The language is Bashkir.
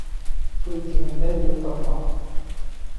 Туй тигәндә йыр тапмаҫ.